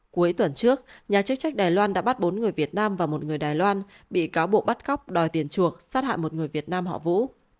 cuối tuần trước nhà chức trách đài loan đã bắt bốn người việt nam và một người đài loan bị cáo buộc bắt cóc đòi tiền chuộc sát hại một người việt nam họ vũ